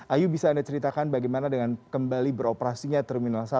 ayu bisa anda ceritakan bagaimana dengan kembali beroperasinya terminal satu